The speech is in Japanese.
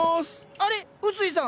あれ⁉薄井さん！